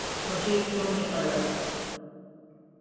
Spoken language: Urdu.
''مجھے کیوں نکالا‘‘۔